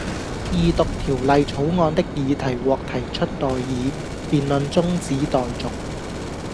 二讀條例草案的議題獲提出待議，辯論中止待續